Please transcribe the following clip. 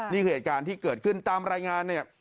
นี่คือเหตุการณ์ที่เกิดขึ้นตามรายงานเนี่ย